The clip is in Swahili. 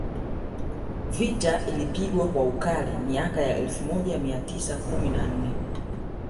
Vita ilipigwa kwa ukali miaka ya elfu moja mia tisa kumi na nne